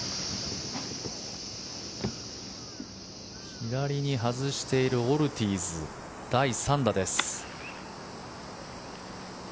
左に外しているオルティーズ第３打です。